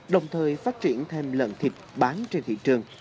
đồng thời phát triển thêm lợn thịt bán trên thị trường